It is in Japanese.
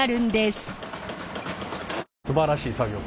すばらしい作業。